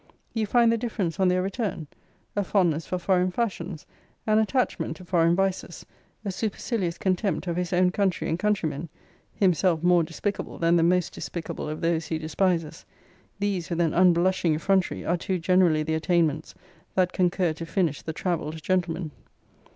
You find the difference on their return a fondness for foreign fashions, an attachment to foreign vices, a supercilious contempt of his own country and countrymen; (himself more despicable than the most despicable of those he despises;) these, with an unblushing effrontery, are too generally the attainments that concur to finish the travelled gentleman!